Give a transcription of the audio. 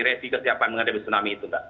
resiko siapa yang menghadapi tsunami itu